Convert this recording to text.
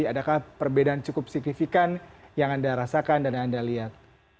adakah perbedaan cukup signifikan yang anda rasakan dan anda lihat